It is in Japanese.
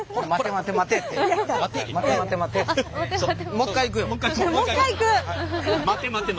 「待て待て待て」。